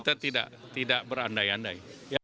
kita tidak berandai andai